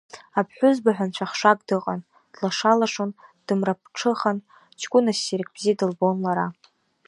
Аԥҳәызба ҳәа нцәахшак дыҟан, Длаша-лашон, дымра-ԥҽыхан, кәына ссирк бзиа дылбон лара.